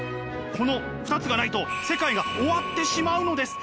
この２つがないと世界が終わってしまうのです。